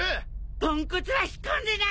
ポンコツは引っ込んでな！